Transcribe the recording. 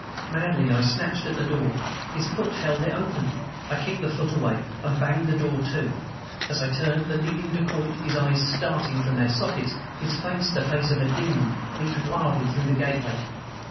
Madly I snatched at the door. His foot held it open. I kicked the foot away, and banged the door to. As I turned, the leading dacoit, his eyes starting from their sockets, his face the face of a demon leaped wildly through the gateway.